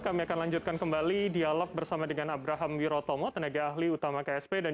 kami akan lanjutkan kembali dialog bersama dengan abraham wirotomo tenaga ahli utama ksp dan